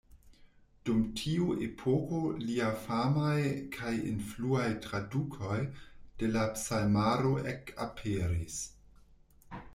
Dum tiu epoko lia famaj kaj influaj tradukoj de la Psalmaro ekaperis.